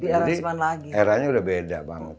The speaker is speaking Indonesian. jadi eranya udah beda banget